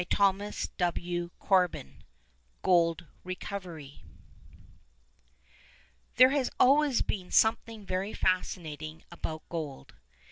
CHAPTER IX GOLD RECOVERY There has always been something very fascinating about gold.